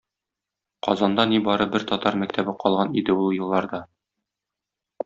Казанда нибары бер татар мәктәбе калган иде ул елларда.